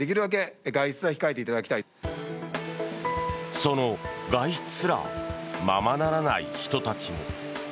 その外出すらままならない人たちも。